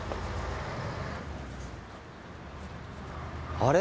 あれ？